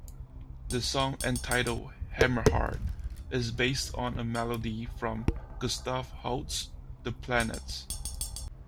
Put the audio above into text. The song entitled Hammerheart is based on a melody from Gustav Holst's "The Planets".